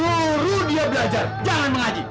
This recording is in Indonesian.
baru dia belajar jangan mengaji